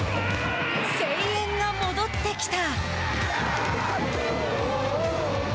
声援が戻ってきた。